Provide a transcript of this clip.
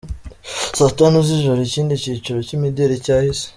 Saa tanu z’ijoro ikindi cyiciro cy’imideli cyahise.